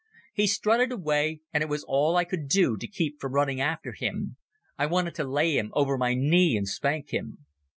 He strutted away and it was all I could do to keep from running after him. I wanted to lay him over my knee and spank him.